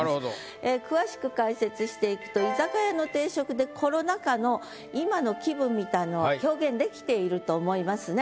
ええ詳しく解説していくと居酒屋の定食でみたいのを表現できていると思いますね。